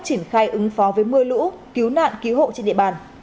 triển khai ứng phó với mưa lũ cứu nạn cứu hộ trên địa bàn